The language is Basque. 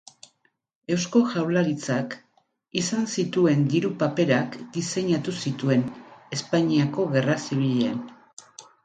Eusko Jaurlaritzak izan zituen diru-paperak diseinatu zituen Espainiako Gerra Zibilean.